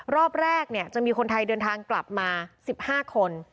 รอบแรกเนี่ยจะมีคนไทยเดินทางกลับมาสิบห้าคน